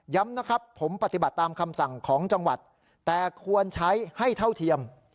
นะครับผมปฏิบัติตามคำสั่งของจังหวัดแต่ควรใช้ให้เท่าเทียม